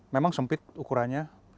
memang sempit ukurannya